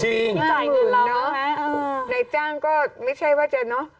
จริงมากมึงนะในจ้างก็ไม่ใช่ว่าจะเนอะ